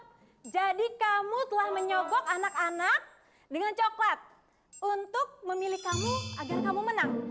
ayo jadi kamu telah menyogok anak anak dengan coklat untuk memilih kamu agar kamu menang